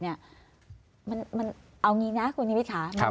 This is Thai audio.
เอาอย่างนี้นะคุณนิวิทย์ค่ะ